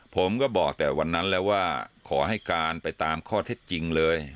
ผมก็บอกแต่วันนั้นแล้วว่าขอให้การไปตามข้อเท็จจริงเลย